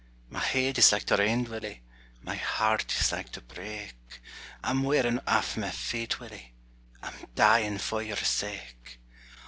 My heid is like to rend, Willie, My heart is like to break; I'm wearin' aff my feet, Willie, I'm dyin' for your sake!